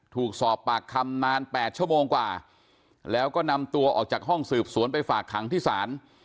ถูกสอบปากคำนาน๘ชั่วโมงกว่าแล้วก็นำตัวออกจากห้องสืบสวนไปฝากขังที่ศาล